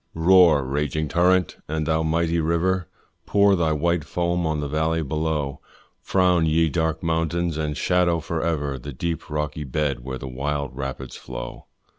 Roar, raging torrent! and thou, mighty river, Pour thy white foam on the valley below; Frown, ye dark mountains! and shadow for ever The deep rocky bed where the wild rapids flow.